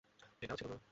এটা ও ছিল না।